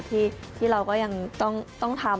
ที่เราก็ยังต้องทำ